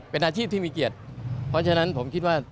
เป็นอาชีพที่มีเกียรติเพราะฉะนั้นผมคิดว่า